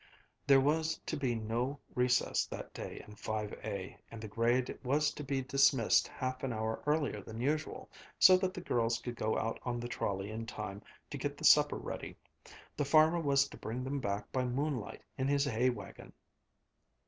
There was to be no recess that day in Five A, and the grade was to be dismissed half an hour earlier than usual, so that the girls could go out on the trolley in time to get the supper ready. The farmer was to bring them back by moonlight in his hay wagon.